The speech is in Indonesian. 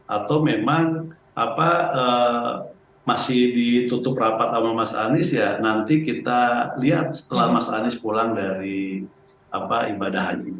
atau memang masih ditutup rapat sama mas anies ya nanti kita lihat setelah mas anies pulang dari ibadah haji